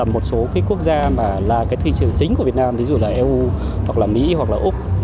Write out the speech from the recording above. một số quốc gia mà là thị trường chính của việt nam ví dụ là eu mỹ hoặc úc